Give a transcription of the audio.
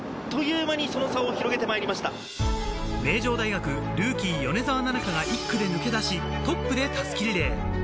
名城大学ルーキー、米澤奈々香が１区で抜け出し、トップで襷リレー。